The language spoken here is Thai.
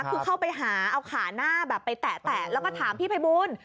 คือเข้าไปหาเอาขาหน้าแบบไปแตะแล้วก็ถามพี่ภัยบูล